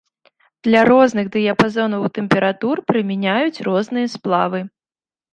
Для розных дыяпазонаў тэмператур прымяняюць розныя сплавы.